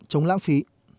chống lãng phí